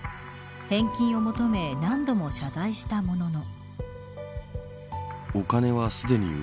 返金を求め何度も謝罪したものの。